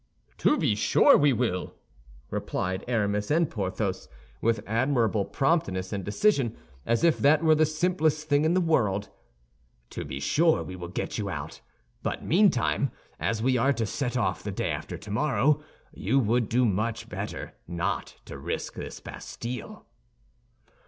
"To be sure we will," replied Aramis and Porthos, with admirable promptness and decision, as if that were the simplest thing in the world, "to be sure we will get you out; but meantime, as we are to set off the day after tomorrow, you would do much better not to risk this Bastille."